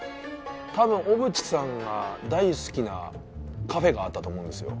たぶん小渕さんが大好きなカフェがあったと思うんですよ